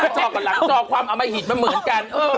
ของมาเหมือนกัน